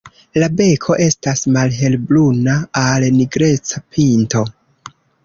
La beko estas malhelbruna al nigreca pinto.